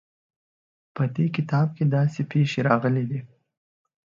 په دې کتاب کې داسې پېښې راغلې دي.